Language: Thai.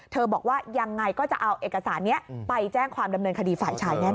บอกว่ายังไงก็จะเอาเอกสารนี้ไปแจ้งความดำเนินคดีฝ่ายชายแน่